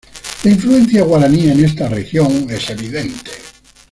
La influencia guaraní en esta región es evidente.